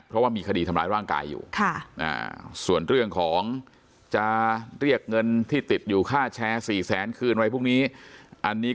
เพราะว่ามีคดีทำร้ายร่างกายอยู่ส่วนเรื่องของจะเรียกเงินที่ติดอยู่ค่าแชร์๔แสนคืนอะไรพวกนี้อันนี้